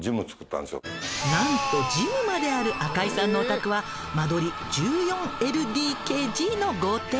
何とジムまである赤井さんのお宅は間取り１４ＬＤＫＧの豪邸。